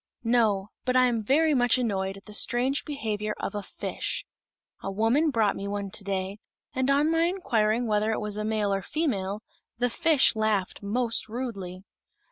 "No; but I am very much annoyed at the strange behavior of a fish. A woman brought me one to day, and on my inquiring whether it was a male or female, the fish laughed most rudely."